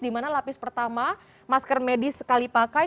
di mana lapis pertama masker medis sekali pakai